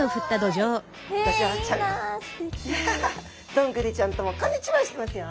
どんぐりちゃんともこんにちはしてますよ。